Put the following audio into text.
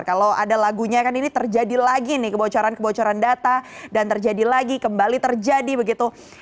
kalau ada lagunya kan ini terjadi lagi nih kebocoran kebocoran data dan terjadi lagi kembali terjadi begitu